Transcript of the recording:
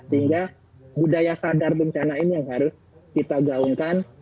sehingga budaya sadar bencana ini yang harus kita gaungkan